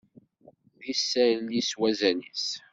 D isalli s wazal-is.